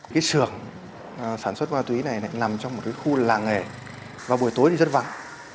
cái sưởng sản xuất hoa túy này nằm trong một khu làng nghề và buổi tối thì rất vắng